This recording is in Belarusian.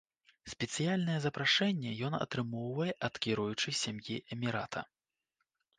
Спецыяльнае запрашэнне ён атрымоўвае ад кіруючай сям'і эмірата.